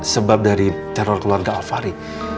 sebab dari teror keluarga alfari